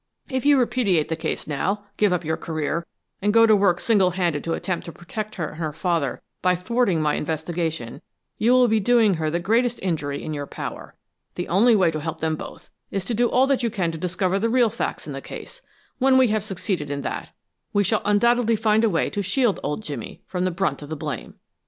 If you repudiate the case now, give up your career, and go to work single handed to attempt to protect her and her father by thwarting my investigation, you will be doing her the greatest injury in your power. The only way to help them both is to do all that you can to discover the real facts in the case. When we have succeeded in that, we shall undoubtedly find a way to shield old Jimmy from the brunt of the blame.